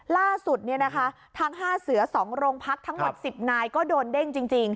ล่าสุดเนี่ยนะคะทั้งห้าเสือสองโรงพักครับทั้งหมดสิบนายก็โดนเด้งจริงจริง